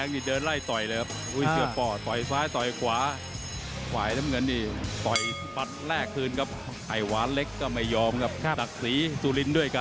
หมดยก๒แต่สายต่อยสายน้ำเงินนี่น่ากลัวจริง